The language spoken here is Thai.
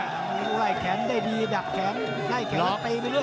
ไอ้แข็งได้ดีดับแข็งไอ้แข็งก็ตีไปเลย